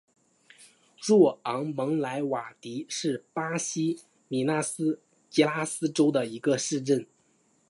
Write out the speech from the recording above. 若昂蒙莱瓦迪是巴西米纳斯吉拉斯州的一个市镇。